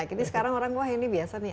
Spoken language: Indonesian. ini sekarang orang wah ini biasa nih